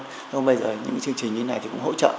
thế còn bây giờ những chương trình như thế này thì cũng hỗ trợ